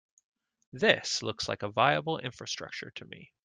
This looks like a viable infrastructure to me.